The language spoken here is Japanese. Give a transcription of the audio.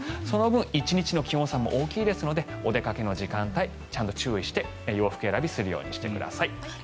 その分１日の気温差も大きいのでお出かけの時間帯ちゃんと注意して洋服選びするようにしてください。